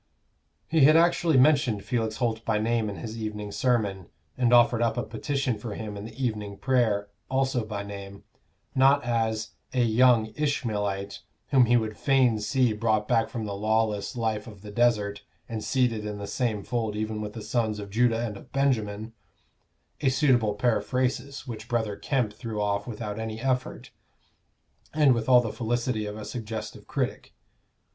He had actually mentioned Felix Holt by name in his evening sermon, and offered up a petition for him in the evening prayer, also by name not as "a young Ishmaelite, whom he would fain see brought back from the lawless life of the desert, and seated in the same fold even with the sons of Judah and of Benjamin," a suitable periphrasis which Brother Kemp threw off without any effort, and with all the felicity of a suggestive critic.